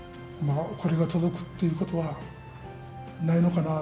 これが届くということはないのかな。